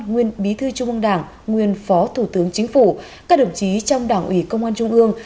nguyên bí thư trung ương đảng nguyên phó thủ tướng chính phủ các đồng chí trong đảng ủy công an trung ương